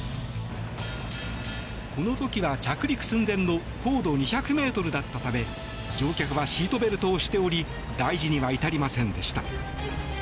この時は着陸寸前の高度２００ｍだったため乗客はシートベルトをしており大事には至りませんでした。